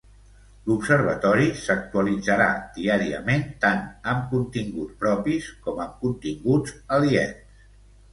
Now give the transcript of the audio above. L'Observatori s'actualitzarà diàriament tant amb continguts propis com amb continguts aliens.